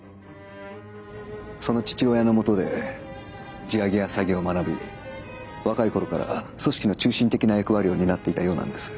その父親のもとで地上げや詐欺を学び若い頃から組織の中心的な役割を担っていたようなんです。